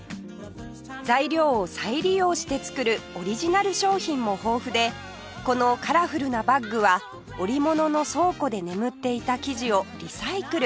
材料を再利用して作るオリジナル商品も豊富でこのカラフルなバッグは織物の倉庫で眠っていた生地をリサイクル